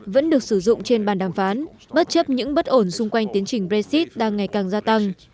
vẫn được sử dụng trên bàn đàm phán bất chấp những bất ổn xung quanh tiến trình brexit đang ngày càng gia tăng